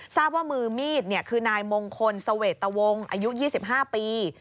ทราบว่ามือมีดคือนายมงคลเสวตวงอายุ๒๕ปี